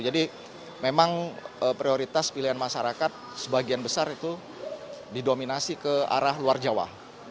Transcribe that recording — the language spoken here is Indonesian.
memang prioritas pilihan masyarakat sebagian besar itu didominasi ke arah luar jawa